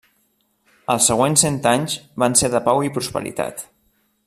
Els següents cent anys van ser de pau i prosperitat.